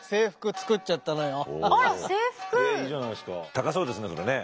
高そうですねそれね。